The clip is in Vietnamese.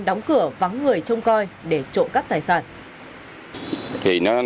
đóng cửa vắng người trông coi để trộm cắp tài sản